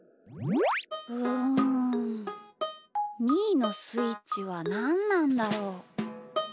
うんみーのスイッチはなんなんだろう？